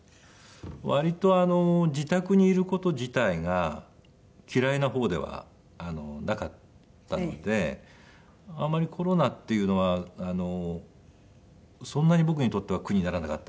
割と自宅にいる事自体が嫌いな方ではなかったのであまりコロナっていうのはそんなに僕にとっては苦にならなかった。